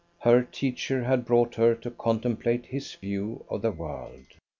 Her teacher had brought her to contemplate his view of the world.